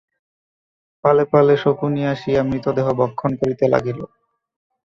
পালে পালে শকুনি আসিয়া মৃতদেহ ভক্ষণ করিতে লাগিল।